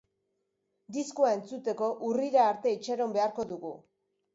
Diskoa entzuteko urrira arte itxaron beharko dugu.